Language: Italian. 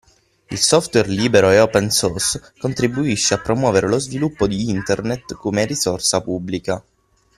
Il software libero e open source contribuisce a promuovere lo sviluppo di internet come risorsa pubblica.